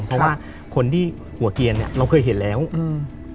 เพราะว่าคนที่หัวเกียรเนี้ยเราเคยเห็นแล้วอืม